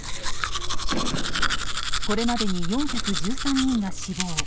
これまでに４１３人が死亡。